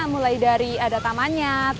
mulai dari masjid ini kita bisa melihat masjid ini